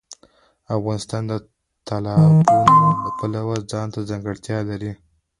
افغانستان د تالابونه د پلوه ځانته ځانګړتیا لري.